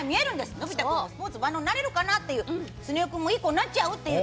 のび太君もスポーツ万能になれるかなスネ夫君もいい子になっちゃうっていう。